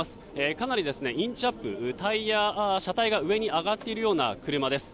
かなりインチアップタイヤ、車体が上に上がっているような車です。